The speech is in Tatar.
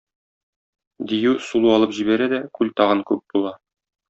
Дию сулу алып җибәрә дә, күл тагын күп була.